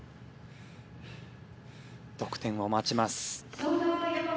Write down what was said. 得点を待ちます。